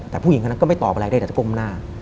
แต่ผู้หญิงคนนั้นก็ไม่ตอบอะไรได้แต่จะก้มหน้า